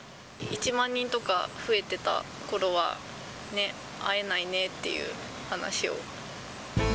１万人とか増えてたころは、ね、会えないねっていう話を。